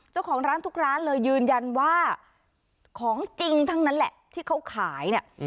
เจ้าของร้านทุกร้านเลยยืนยันว่าของจริงทั้งนั้นแหละที่เขาขายเนี่ย